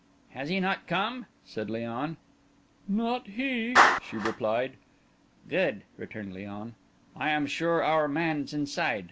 "He has not come?" asked Léon. "Not he," she replied. "Good," returned Léon. "I am sure our man's inside.